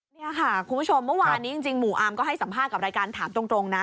นี่ค่ะคุณผู้ชมเมื่อวานนี้จริงหมู่อาร์มก็ให้สัมภาษณ์กับรายการถามตรงนะ